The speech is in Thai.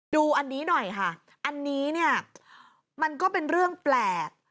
ดูอันนี้หน่อยค่ะอันนี้เนี่ยมันก็เป็นเรื่องแปลก